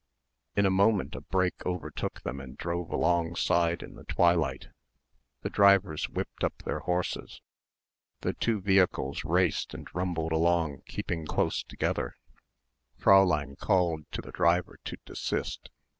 In a moment a brake overtook them and drove alongside in the twilight. The drivers whipped up their horses. The two vehicles raced and rumbled along keeping close together. Fräulein called to their driver to desist.